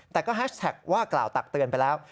แต่ก็แฮชแท็กว่ากล่าวตักเตือนไปแล้ว